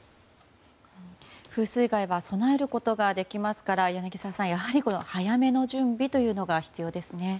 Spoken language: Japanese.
風水害は備えることができますから柳澤さん、早めの準備というのが必要ですね。